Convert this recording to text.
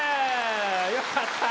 よかった！